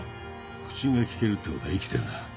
口がきけるってことは生きてるな？